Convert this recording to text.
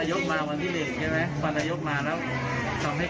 อ๋อนายกมาวันที่หนึ่งก็เห็นไหม